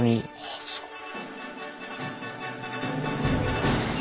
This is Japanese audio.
あすごい。